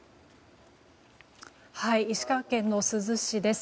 石川県の珠洲市です。